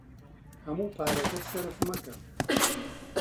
هەموو پارەکە سەرف مەکە.